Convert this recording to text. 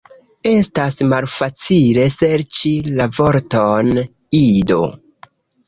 Estas malfacile serĉi la vorton, Ido